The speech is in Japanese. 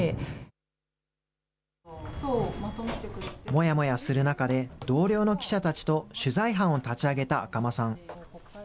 もやもやする中で、同僚の記者たちと取材班を立ち上げた赤間さん。